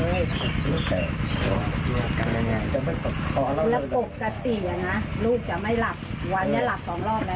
แล้วก็ปกตินะลูกจะไม่หลับวันนี้หลับ๒รอบแล้ว